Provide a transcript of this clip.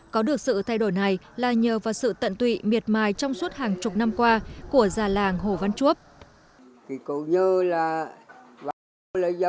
có được sự thay đổi này là nhờ vào sự tận tụy miệt mài trong suốt hàng chục năm qua của già làng hồ văn chuộc